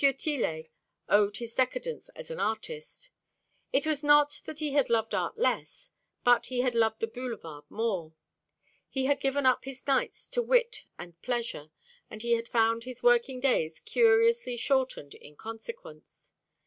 Tillet owed his decadence as an artist. It was not that he had loved art less, but he had loved the Boulevard more. He had given up his nights to wit and pleasure; and he had found his working days curiously shortened in consequence.